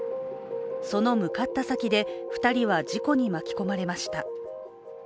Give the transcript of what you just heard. その向かった先で２人は事故に巻き込まれました。